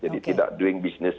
jadi tidak doing business